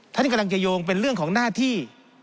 ท่านกำลังจะโยงเป็นเรื่องของหน้าที่